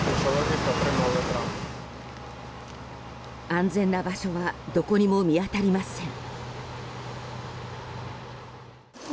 安全な場所はどこにも見当たりません。